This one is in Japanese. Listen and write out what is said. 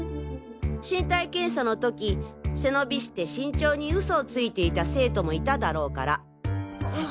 身体検査の時背伸びして身長にウソをついていた生徒もいただろうから。